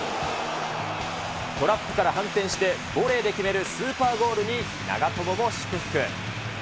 トラップから反転してボレーで決めるスーパーゴールに長友も祝福。